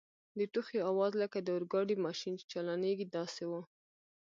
د ټوخي آواز لکه د اورګاډي ماشین چي چالانیږي داسې و.